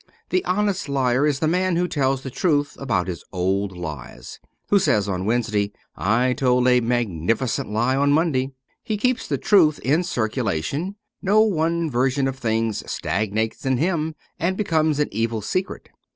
The honest liar is the man who tells the truth about his old lies ; who says on Wednesday, * I told a magnificent lie on Monday.' He keeps the truth in circulation ; no one version of things stagnates in him and becomes an evil secret.